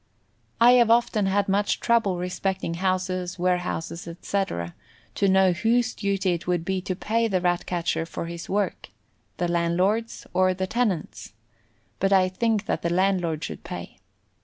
I have often had much trouble respecting houses, warehouses, etc., to know whose duty it would be to pay the Rat catcher for his work, the landlord's or the tenant's, but I think that the landlord should pay.